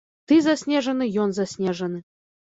Ты заснежаны, ён заснежаны.